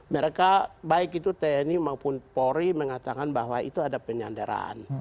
mereka baik itu tni maupun polri mengatakan bahwa itu ada penyandaran